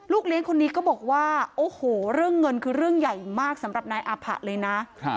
เลี้ยงคนนี้ก็บอกว่าโอ้โหเรื่องเงินคือเรื่องใหญ่มากสำหรับนายอาผะเลยนะ